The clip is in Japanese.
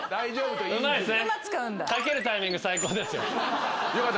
うまいっすね。